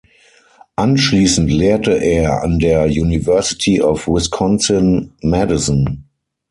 Anschließend lehrte er an der University of Wisconsin–Madison.